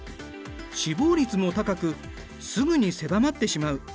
死亡率も高くすぐに狭まってしまう。